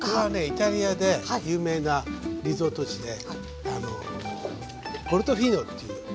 イタリアで有名なリゾート地でポルトフィーノっていう街がありましてね。